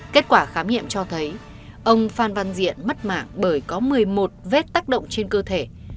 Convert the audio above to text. kết quả khám nghiệm cho thấy ông phan văn diện mất mạng bởi có một mươi một vết tác động trên cơ thể